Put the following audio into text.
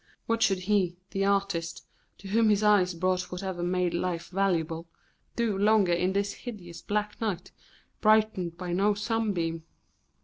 What should he, the artist, to whom his eyes brought whatever made life valuable, do longer in this hideous black night, brightened by no sunbeam?